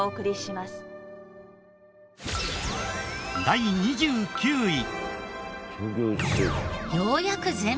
第２９位。